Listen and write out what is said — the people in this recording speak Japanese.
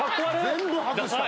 全部外した。